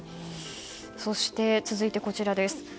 そして、続いてこちらです。